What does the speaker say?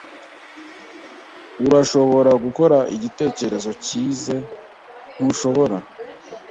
Urashobora gukora igitekerezo cyize, ntushobora?